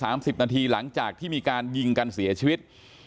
สิบนาทีหลังจากที่มีการยิงกันเสียชีวิต